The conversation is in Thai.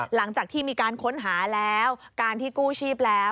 หลังจากที่มีการค้นหาแล้วการที่กู้ชีพแล้ว